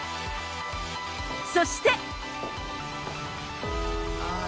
そして。